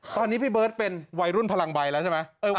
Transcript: ตอนนี้พี่เบิร์ตเป็นวัยรุ่นพลังใบแล้วใช่ไหม